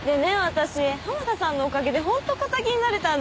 私浜田さんのおかげで本当堅気になれたんだもの。